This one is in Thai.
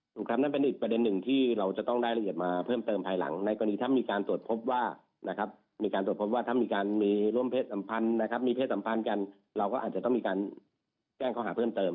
ถูกครับนั่นเป็นอีกประเด็นหนึ่งที่เราจะต้องได้ละเอียดมาเพิ่มเติมภายหลังในกรณีถ้ามีการสวดพบว่าถ้ามีการร่วมเพศสัมพันธ์มีเพศสัมพันธ์กันเราก็อาจจะต้องมีการแก้งเข้าหาเพิ่มเติม